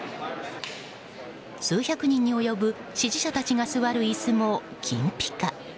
数百人に及ぶ支持者たちが座る椅子も金ぴか。